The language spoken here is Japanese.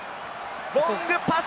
ロングパス！